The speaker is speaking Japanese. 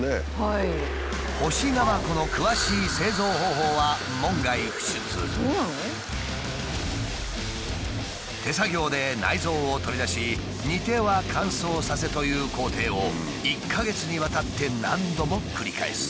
干しナマコの詳しい手作業で内臓を取り出し煮ては乾燥させという工程を１か月にわたって何度も繰り返す。